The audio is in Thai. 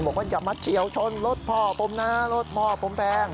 บอกว่าอย่ามาเฉียวชนรถพ่อผมนะรถพ่อผมแป้ง